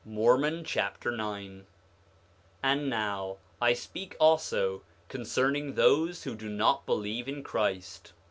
Mormon Chapter 9 9:1 And now, I speak also concerning those who do not believe in Christ.